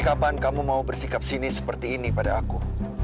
kapan kamu mau bersikap sinis seperti ini pada aku